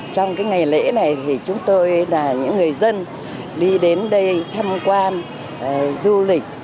trong ngày lễ này thì chúng tôi là những người dân đi đến đây tham quan du lịch